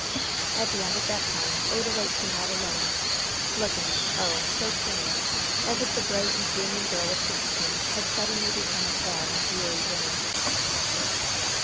At the end of that time Odalite came out alone, looking, oh! so changed, as if the bright and blooming girl of sixteen had suddenly become a sad and weary woman.